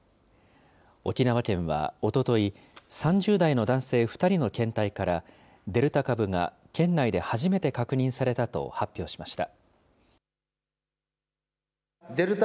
沖縄県はおととい、３０代の男性２人の検体から、デルタ株が県内で初めて確認されたと発表しました。